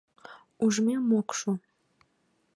— Ужмем ок шу!